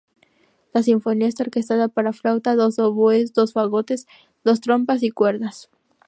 La sinfonía está orquestada para flauta, dos oboes, dos fagotes, dos trompas y cuerdas.